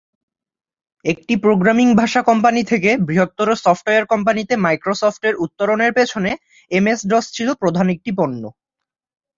একটি প্রোগ্রামিং ভাষা কোম্পানি থেকে বৃহত্তর সফটওয়্যার কোম্পানিতে মাইক্রোসফটের উত্তরণের পেছনে এমএস-ডস ছিল প্রধান একটি পণ্য।